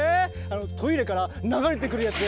トイレから流れてくるやつ？